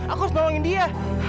aku harus nolongin dia